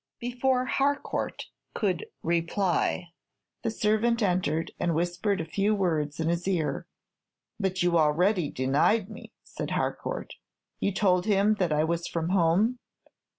Before Harcourt could reply, the servant entered, and whispered a few words in his ear. "But you already denied me," said Harcourt. "You told him that I was from home?"